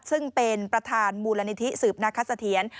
ซึ่งเป็นประธานมูลนิธิสืบนาคสะเทียน